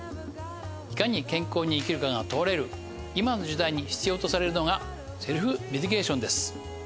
いかに健康に生きるかが問われる今の時代に必要とされるのがセルフメディケーションです。